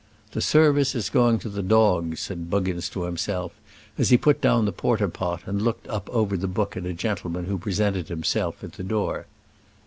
"The service is going to the dogs," said Buggins to himself, as he put down the porter pot and looked up over the book at a gentleman who presented himself at the door.